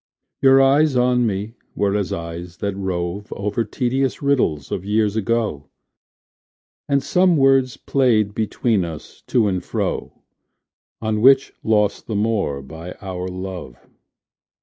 Your eyes on me were as eyes that rove Over tedious riddles of years ago; And some words played between us to and fro On which lost the more by our love.